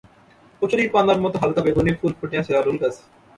কচুরিপানার মতো হালকা বেগুনি ফুল ফুটে আছে জারুল গাছে।